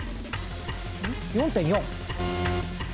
４．４。